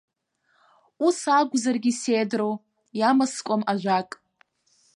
Ус акәзаргьы сеидроу, иамаскуам ажәак.